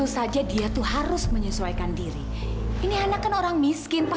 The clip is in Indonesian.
sampai jumpa di video selanjutnya